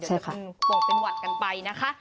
ใช่ค่ะคุณปวงเป็นหวัดกันไปนะคะ